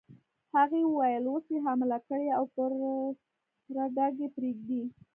هغې وویل: اوس يې حامله کړې او پر سپېره ډاګ یې پرېږدې.